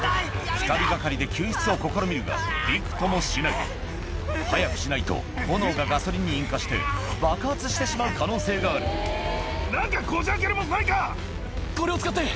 ２人掛かりで救出を試みるがびくともしない早くしないと炎がガソリンに引火して爆発してしまう可能性があるこれを使って。